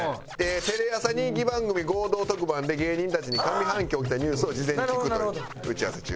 テレ朝人気番組合同特番で芸人たちに上半期に起きたニュースを事前に聞くという打ち合わせ中。